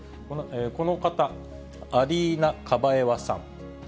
この方、アリーナ・カバエワさん。